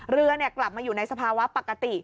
เรือกลับมาอยู่ในสภาวะปกติ